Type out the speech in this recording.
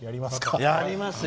やりますよ！